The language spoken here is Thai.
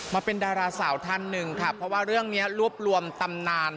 มาเป็นดาราสาวท่านหนึ่งค่ะเพราะว่าเรื่องนี้รวบรวมตำนาน